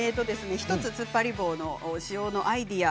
１つつっぱり棒の使用のアイデア